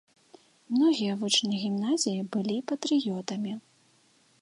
Многія вучні гімназіі былі патрыётамі.